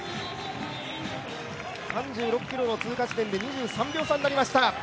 ３６ｋｍの通過地点で２３秒差となりました。